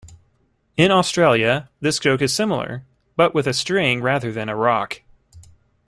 In Australia this joke is similar but with a string rather than a rock.